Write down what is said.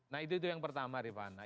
nah itu yang pertama rifana